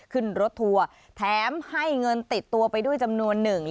ขึ้นรถทัวร์แถมให้เงินติดตัวไปด้วยจำนวนหนึ่ง